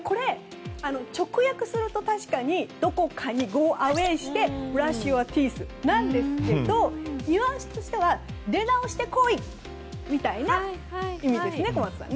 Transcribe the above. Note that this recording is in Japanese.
直訳すると確かにどこかにゴーアウェーしてブラッシュティースですがニュアンスとしては出直して来いという意味ですよね。